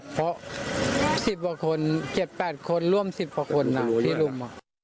เพราะ๑๐ประคุณ๗๘คนร่วม๑๐ประคุณที่รุม